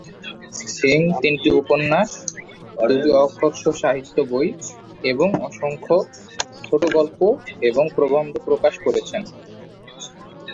সিং তিনটি উপন্যাস, দুটি অ-কথাসাহিত্য বই এবং অসংখ্য ছোট গল্প এবং প্রবন্ধ প্রকাশ করেছেন।